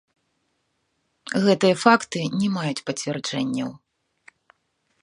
Гэтыя факты не маюць пацвярджэнняў.